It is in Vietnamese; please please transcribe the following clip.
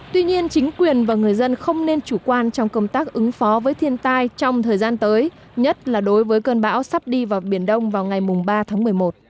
tuy nhiên chính quyền và người dân không nên chủ quan trong công tác ứng phó với thiên tai trong thời gian tới nhất là đối với cơn bão sắp đi vào biển đông vào ngày ba tháng một mươi một